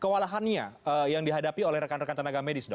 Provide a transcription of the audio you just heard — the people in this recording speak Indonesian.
kewalahannya yang dihadapi oleh rekan rekan tenaga medis dok